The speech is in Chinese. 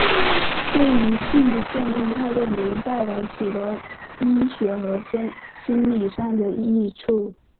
对于性的健康态度能带来许多医学和心里上的益处。